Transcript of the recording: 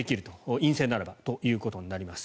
陰性ならばということになります。